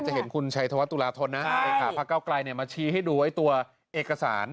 จะเห็นคุณชัยธวะตุลาทนนะพระเก้ากลายเนี่ยมาชี้ให้ดูไว้ตัวเอกสาร